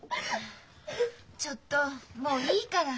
ちょっともういいから。